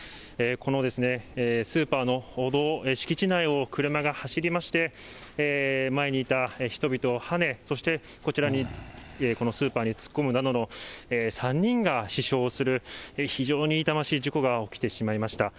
このスーパーの歩道、敷地内を車が走りまして、前にいた人々をはね、そして、こちらに、このスーパーに突っ込むなどの、３人が死傷する、非常に痛ましい事故が起きてしまいました。